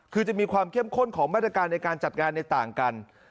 คือจะมีความเข้มข้นของมาตรการในการจัดงานในต่างกัน